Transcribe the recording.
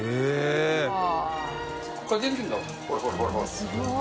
すごい！